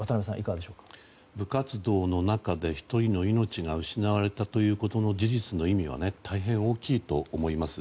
部活動の中で１人の命が失われたということの事実の意味は大変大きいと思います。